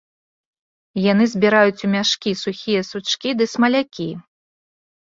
Яны збіраюць у мяшкі сухія сучкі ды смалякі.